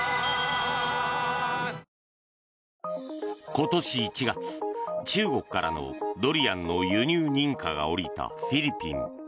今年１月、中国からのドリアン輸入の認可が下りたフィリピン。